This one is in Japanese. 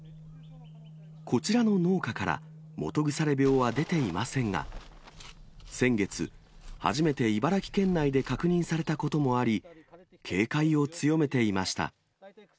こちらの農家から基腐病は出ていませんが、先月、初めて茨城県内で確認されたこともあり、警戒を強めていました。